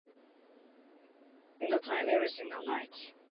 God was there every single time, every single time.